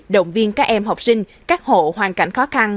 động viên các em học sinh các hộ hoàn cảnh khó khăn